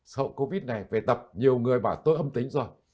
sợ covid này về tập nhiều người bảo tôi âm tính rồi